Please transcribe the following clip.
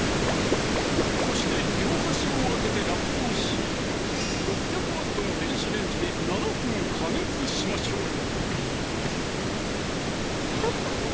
そして両端を開けてラップをし６００Ｗの電子レンジで７分加熱しましょう